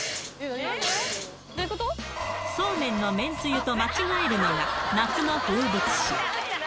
そうめんの麺つゆと間違えるのが、夏の風物詩。